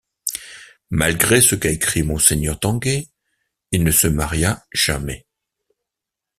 Malgré ce qu’a écrit Monseigneur Tanguay, il ne se maria jamais.